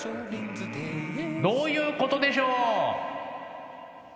どういうことでしょう？